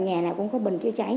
nhà này cũng có bần chữa cháy